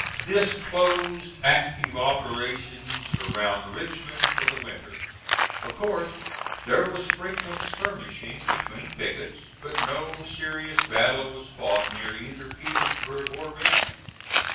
This closed active operations around Richmond for the winter. Of course there was frequent skirmishing between pickets, but no serious battle was fought near either Petersburg or Richmond.